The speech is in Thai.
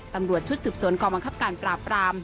ตำรวจชุดสืบสวนกองบังคับการปราบราม